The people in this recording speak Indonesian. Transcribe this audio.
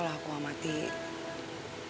belum apa apa emak udah tutup pintu buat aku